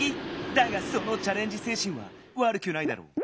だがそのチャレンジせいしんはわるくないだろう。